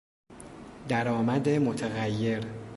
درآمد متغیر